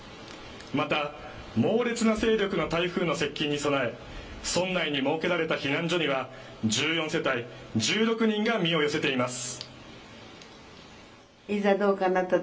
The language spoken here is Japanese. また猛烈な勢力の台風の接近に備え村内に設けられた避難所には１４世帯１６人が身を寄せています。